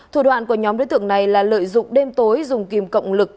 thủ đoạn của nhóm đối tượng này là lợi dụng đêm tối dùng kìm cộng lực